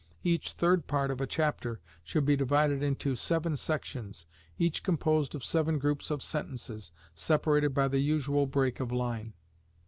Each third part of a chapter should be divided into "seven sections, each composed of seven groups of sentences, separated by the usual break of line.